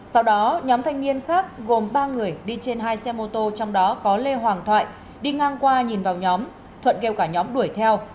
sau đó nhóm thanh niên khác gồm ba người đi trên hai xe mô tô trong đó có lê hoàng thoại đi ngang qua nhìn vào nhóm thuận kêu cả nhóm đuổi theo